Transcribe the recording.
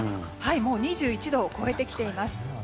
もう２１度を超えてきています。